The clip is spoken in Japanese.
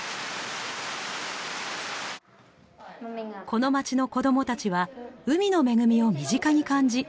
この町の子どもたちは海の恵みを身近に感じ成長していきます。